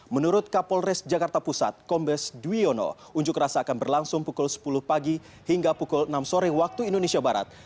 menurut kapolres jakarta pusat kombes dwiono unjuk rasa akan berlangsung pukul sepuluh pagi hingga pukul enam sore waktu indonesia barat